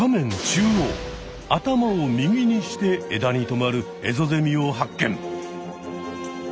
中央頭を右にして枝にとまるエゾゼミを発見！